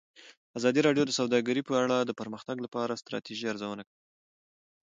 ازادي راډیو د سوداګري په اړه د پرمختګ لپاره د ستراتیژۍ ارزونه کړې.